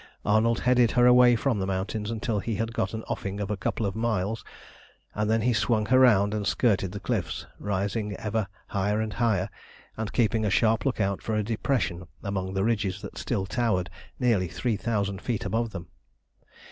Arnold headed her away from the mountains until he had got an offing of a couple of miles, and then he swung her round and skirted the cliffs, rising ever higher and higher, and keeping a sharp look out for a depression among the ridges that still towered nearly three thousand feet above them.